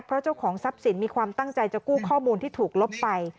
เพราะเจ้าของทรัพย์สินมีความตั้งใจจะกู้ข้อมูลที่ถูกลบไป